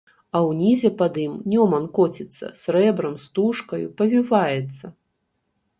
А ўнізе пад ім Нёман коціцца, срэбрам-стужкаю павіваецца.